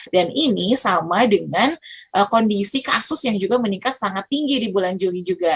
dan ini sama dengan kondisi kasus yang juga meningkat sangat tinggi di bulan juli juga